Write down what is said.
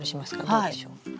どうでしょう？